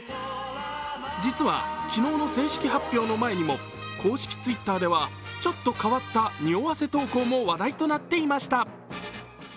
実は、昨日の正式発表の前にも公式Ｔｗｉｔｔｅｒではちょっと変わったにおわせ投稿も話題となっていました。